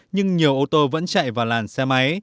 nhưng nhiều ô tô vẫn chạy vào làn xe máy